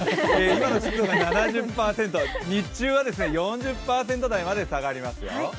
今の湿度７０％、日中は４０％台まで下がりますよ。